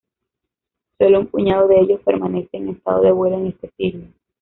Solo un puñado de ellos permanece en estado de vuelo en este siglo.